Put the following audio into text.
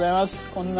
こんな。